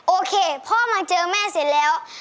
โอเคพ่อมาเจอแม่เสร็จแล้ว